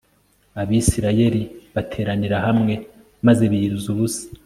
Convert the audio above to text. Abisirayeli bateranira hamwe maze biyiriza ubusa